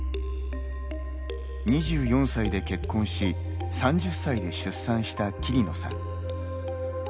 ２４歳で結婚し３０歳で出産した桐野さん。